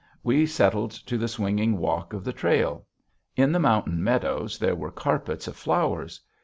We settled to the swinging walk of the trail. In the mountain meadows there were carpets of flowers.